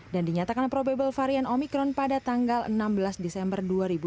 dan dinyatakan probable varian omikron pada tanggal enam belas desember dua ribu dua puluh satu